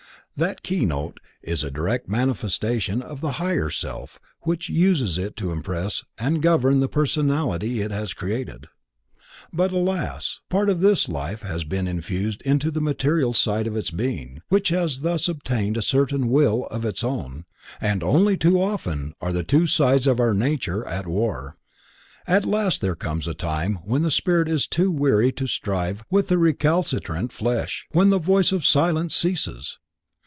That "keynote" is a direct manifestation of the Higher Self which uses it to impress and govern the Personality it has created. But alas, part of its life has been infused into the material side of its being, which has thus obtained a certain will of its own and only too often are the two sides of our nature at war. At last there comes a time when the spirit is too weary to strive with the recalcitrant flesh, when "the voice of the silence" ceases.